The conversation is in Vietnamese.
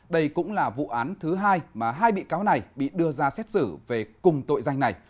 đây cũng là vụ án thứ hai mà hai bị cáo này bị đưa ra xét xử về cùng tội danh này